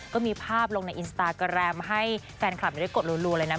ก็มีภาพลงในอินสตาแกรมให้แฟนคลับได้กดลูเลยนะ